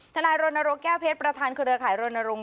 นายรณรงค์แก้วเพชรประธานเครือข่ายรณรงค